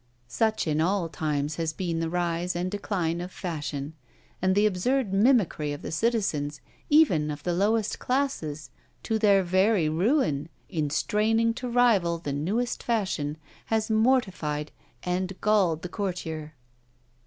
Such in all times has been the rise and decline of fashion; and the absurd mimicry of the citizens, even of the lowest classes, to their very ruin, in straining to rival the newest fashion, has mortified and galled the courtier.